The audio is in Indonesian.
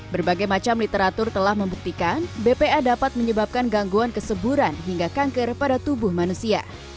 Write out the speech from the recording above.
berbagai macam literatur telah membuktikan bpa dapat menyebabkan gangguan keseburan hingga kanker pada tubuh manusia